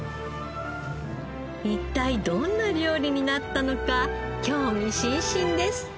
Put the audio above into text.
一体どんな料理になったのか興味津々です。